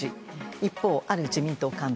一方、ある自民党幹部。